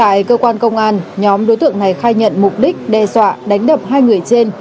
tại cơ quan công an nhóm đối tượng này khai nhận mục đích đe dọa đánh đập hai người trên